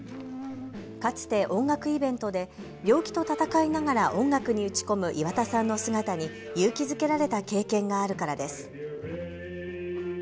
かつて音楽イベントで病気と闘いながら音楽に打ち込む岩田さんの姿に勇気づけられた経験があるからです。